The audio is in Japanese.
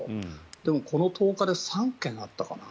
でも、この１０日で３件あったかな。